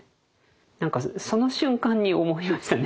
何かその瞬間に思いましたね。